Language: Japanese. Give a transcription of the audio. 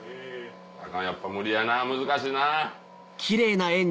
アカンやっぱ無理やな難しいな。